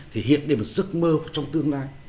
thì hiện đều là giấc mơ trong tương lai